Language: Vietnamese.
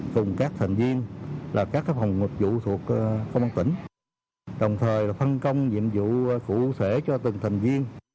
cùng các thành viên là các phòng ngực vụ thuộc công an tỉnh đồng thời là phân công nhiệm vụ cụ thể cho từng thành viên